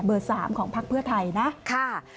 เบอร์๓ของภักดิ์เพื่อไทยนะ